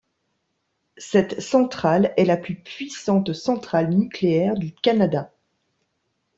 Cette centrale est la plus puissante centrale nucléaire du Canada.